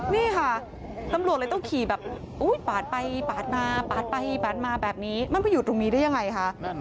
นี่ค่ะตำรวจเลยต้องขี่แบบปาดไปปาดมาปาดไปปาดมาแบบนี้มันไปอยู่ตรงนี้ได้ยังไงคะ